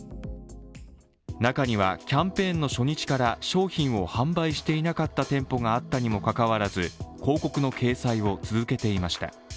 中にはキャンペーンの初日から商品を販売していなかった店舗があったにもかかわらず、広告の掲載を続けていました。